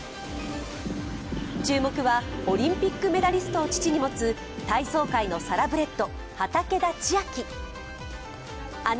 注目はオリンピックメダリストを父に持つ体操界のサラブレッド畠田千愛。